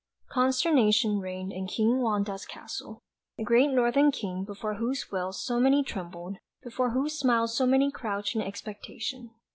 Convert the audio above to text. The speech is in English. Consternation reigned in King Wanda's castle, the great Northern King before whose will so many trembled, before whose smile so many crouched in expectation.